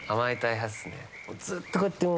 ずっとこうやって。